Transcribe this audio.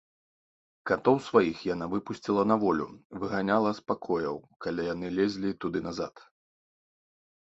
Катоў сваіх яна выпусціла на волю, выганяла з пакояў, калі яны лезлі туды назад.